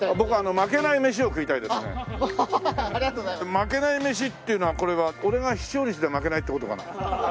まけない飯っていうのはこれは俺が視聴率で負けないって事かな。